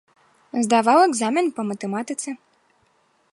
Здаваў экзамен па матэматыцы.